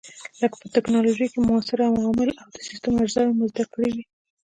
لکه په ټېکنالوجۍ کې موثر عوامل او د سیسټم اجزاوې مو زده کړې وې.